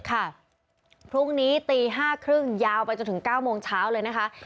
พรุ่งนี้ตี๕๓๐ยาวไปจนถึง๙โมงเช้าเลยนะคะ